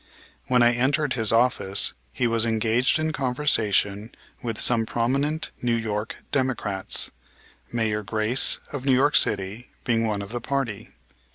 When I entered his office he was engaged in conversation with some prominent New York Democrats, Mayor Grace, of New York City, being one of the party.